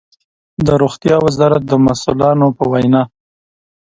د روغتيا وزارت مسؤلانو په وينا